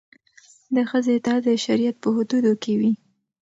د ښځې اطاعت د شریعت په حدودو کې وي.